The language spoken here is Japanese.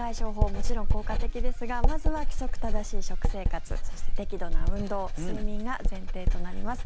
もちろん効果的ですがまずは規則正しい食生活そして適度な運動、睡眠が前提となります。